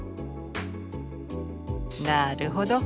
なるほど。